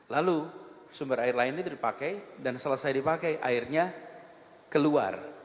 lalu sumber air lain itu dipakai dan selesai dipakai airnya keluar